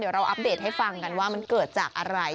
เดี๋ยวเราอัปเดตให้ฟังกันว่ามันเกิดจากอะไร